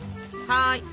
はい。